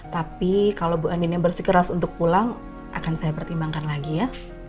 tapi kalau bu anina bersikeras untuk pulang akan saya pertimbangkan lagi ya